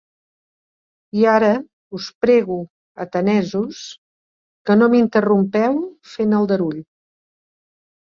I ara, us prego, atenesos, que no m'interrompeu fent aldarull